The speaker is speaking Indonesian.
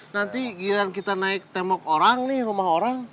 nanti giliran kita naik tembok orang nih rumah orang